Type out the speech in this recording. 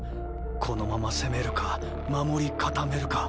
このまま攻めるか守り固めるか。